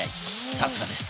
さすがです。